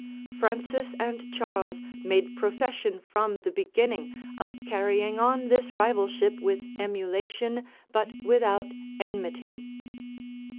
Francis and Charlea made profession from the beginning of carrying on this rivalship with emulation, but without enmity.